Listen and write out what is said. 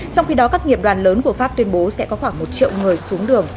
trong khi đó các nghiệp đoàn lớn của pháp tuyên bố sẽ có khoảng một triệu người xuống đường